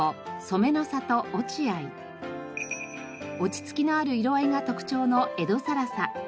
落ち着きのある色合いが特徴の江戸更紗。